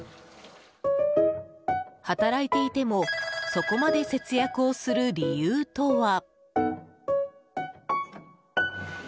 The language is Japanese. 働いていてもそこまで節約をする理由とは。